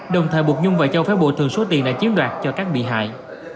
đồng thời buộc nhung và châu phép bổ thường số tiền đã chiếm đoạt cho các bị hại